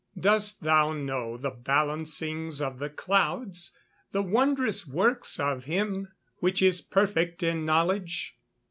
[Verse: "Dost thou know the balancings of the clouds, the wondrous works of him which is perfect in knowledge."